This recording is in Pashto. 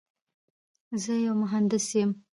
زه یو مهندس یم.